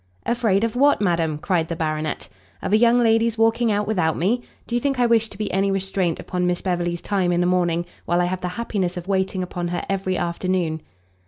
"Afraid of what, madam?" cried the baronet; "of a young lady's walking out without me? Do you think I wish to be any restraint upon Miss Beverley's time in a morning, while I have the happiness of waiting upon her every afternoon?"